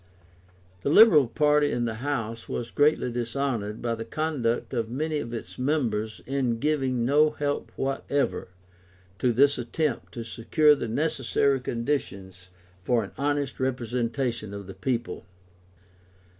The Liberal party in the House was greatly dishonoured by the conduct of many of its members in giving no help whatever to this attempt to secure the necessary conditions of an honest representation of the people.